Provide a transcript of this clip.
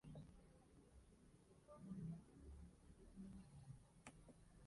Se especializó en las carreras de seis días.